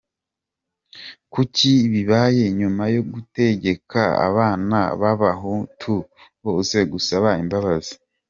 Kuki bibaye nyuma yo gutegeka abana b’abahutu bose gusaba imbabazi?